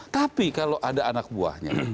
tapi kalau ada anak buahnya